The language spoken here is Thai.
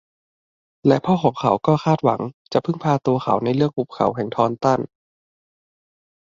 และพ่อของเขาก็คาดหวังจะพึ่งพาตัวเขาในเรื่องหุบเขาแห่งทอนตัน